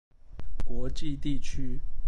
國際地區